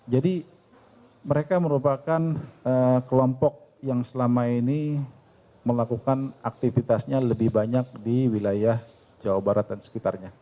jadi mereka merupakan kelompok yang selama ini melakukan aktivitasnya lebih banyak di wilayah jawa barat dan sekitarnya